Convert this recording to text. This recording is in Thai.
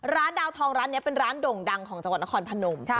ร้านดาวทองร้านนี้เป็นร้านโด่งดังของจังหวัดนครพนม